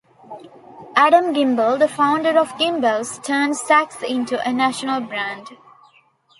Adam Gimbel, the founder of Gimbels, turned Saks into a national brand.